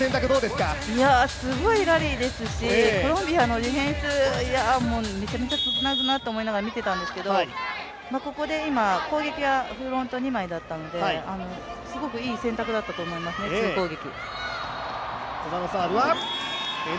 すごいラリーでしたしコロンビアのディフェンス、もう、めちゃめちゃ、やるなと思いながら見ていたんですけどここで今、攻撃はフロント二枚だったのですごくいい選択だったと思いますね、ツー攻撃。